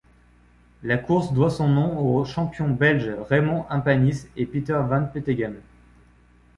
La course doit son nom aux champions belges Raymond Impanis et Peter Van Petegem.